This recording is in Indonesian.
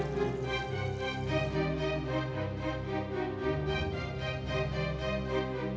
lihat dia udah jadi anak yang baik